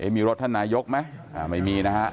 มีรถท่านนายกไหมไม่มีนะฮะ